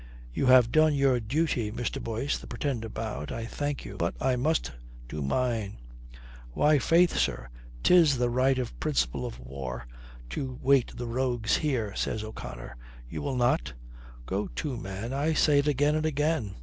"You have done your duty, Mr. Boyce," the Pretender bowed. "I thank you. But I must do mine." "Why, faith, sir, 'tis the right principle of war to wait the rogues here," says O'Connor. "You will not?" "Go to, man, I say it again and again."